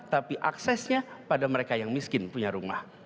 tapi aksesnya pada mereka yang miskin punya rumah